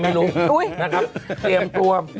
เตรียมตัว